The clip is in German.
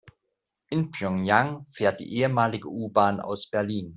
In Pjöngjang fährt die ehemalige U-Bahn aus Berlin.